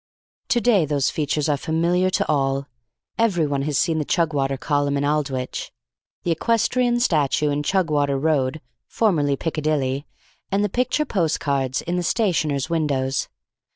To day those features are familiar to all. Everyone has seen the Chugwater Column in Aldwych, the equestrian statue in Chugwater Road (formerly Piccadilly), and the picture postcards in the stationers' windows.